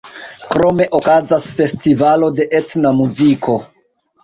Krome okazas festivalo de etna muziko.